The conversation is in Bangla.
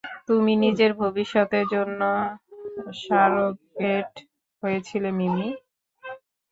তুমি নিজের ভবিষ্যতের এর জন্যে সারোগেট হয়েছিলে মিমি।